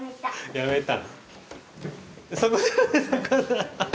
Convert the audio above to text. やめた？